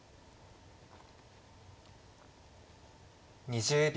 ２０秒。